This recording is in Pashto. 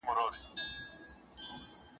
چا د ستورو نوم هم یاد کړ